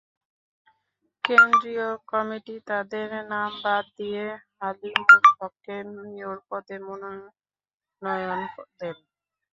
কেন্দ্রীয় কমিটি তাঁদের নাম বাদ দিয়ে হালিমুল হককে মেয়র পদে মনোনয়ন দেয়।